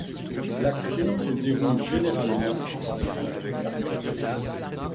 L'action se déroule généralement dans la ville de Carcassonne.